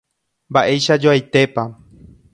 Mba'eichajoaitépa